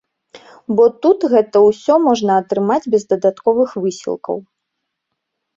Бо тут гэта ўсё можна атрымаць без дадатковых высілкаў.